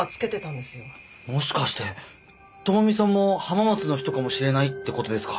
もしかして朋美さんも浜松の人かもしれないって事ですか？